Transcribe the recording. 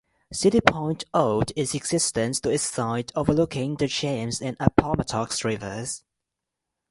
City Point owed its existence to its site overlooking the James and Appomattox Rivers.